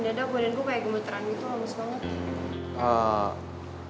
ndada badanku kayak gemeteran gitu langus banget